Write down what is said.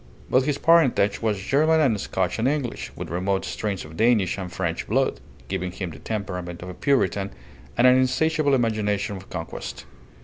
But his parentage was German and Scotch and English, with remote strains of Danish and French blood, giving him the temperament of a Puritan and an insatiable imagination of conquest.